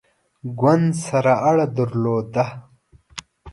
ګوند سره اړه درلوده.